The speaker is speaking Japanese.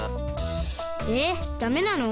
えダメなの？